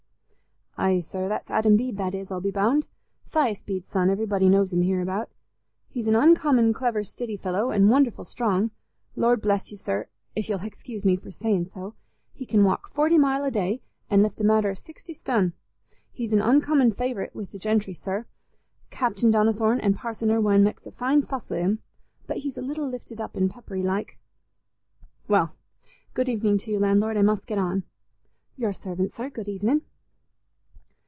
"Aye, sir, that's Adam Bede, that is, I'll be bound—Thias Bede's son everybody knows him hereabout. He's an uncommon clever stiddy fellow, an' wonderful strong. Lord bless you, sir—if you'll hexcuse me for saying so—he can walk forty mile a day, an' lift a matter o' sixty ston'. He's an uncommon favourite wi' the gentry, sir: Captain Donnithorne and Parson Irwine meks a fine fuss wi' him. But he's a little lifted up an' peppery like." "Well, good evening to you, landlord; I must get on." "Your servant, sir; good evenin'."